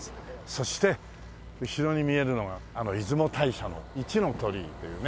そして後ろに見えるのが出雲大社の一の鳥居というね。